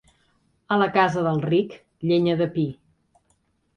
A la casa del ric, llenya de pi.